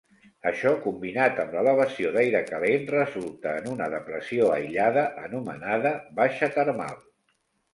Això, combinat amb l'elevació d'aire calent, resulta en una depressió aïllada, anomenada baixa termal.